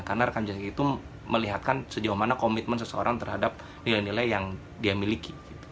karena rekam jejak itu melihatkan sejauh mana komitmen seseorang terhadap nilai nilai yang dia miliki